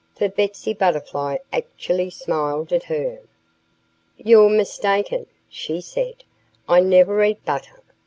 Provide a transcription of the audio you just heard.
For Betsy Butterfly actually smiled at her. "You're mistaken," she said. "I never eat butter.